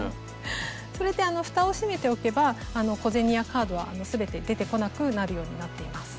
それでふたを閉めておけば小銭やカードは全て出てこなくなるようになっています。